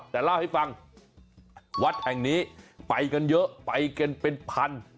แต่เล่าให้ฟังวัดแห่งนี้ไปกันเยอะไปกันเป็นพัน